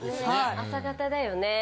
朝型だよね。